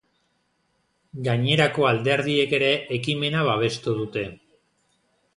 Gainerako alderdiek ere ekimena babestu dute.